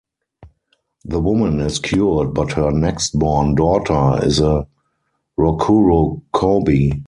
The woman is cured but her next born daughter is a rokurokobi.